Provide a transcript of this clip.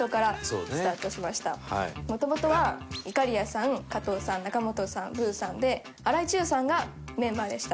もともとはいかりやさん加藤さん仲本さんブーさんで荒井注さんがメンバーでした。